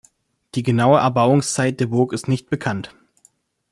Die genaue Erbauungszeit der Burg ist nicht bekannt.